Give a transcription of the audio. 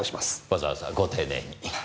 わざわざご丁寧に。